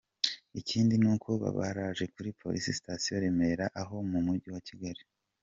Ikindi ni uko babaraje kuri Police Station ya Remera ho mu Umujyi wa Kigali.